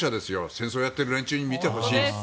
戦争をやっている連中に見てほしい。